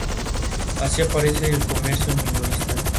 Así aparece el comercio minorista.